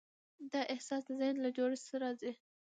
دا احساس د ذهن له جوړښت راځي.